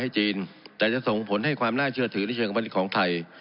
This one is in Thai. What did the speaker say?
ใครก็ไม่ต้องจ่ายค่าปรับเนื้อให้จีนแต่จะส่งผลให้ความน่าเชื่อถือในเชียงพันธุ์ของไทย